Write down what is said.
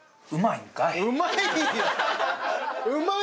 うまい？